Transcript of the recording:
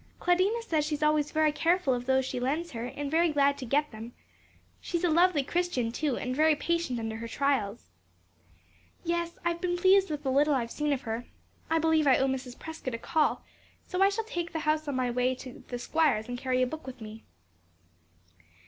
"Claudina says she is always very careful of those she lends her, and very glad to get them. She's a lovely Christian, too, and very patient under her trials." "Yes; I have been pleased with the little I have seen of her. I believe I owe Mrs. Prescott a call; so I shall take their house on my way to the squire's and carry a book with me."